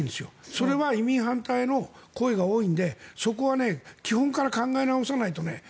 それは移民反対の声が多いのでそこは基本から考え直さないとね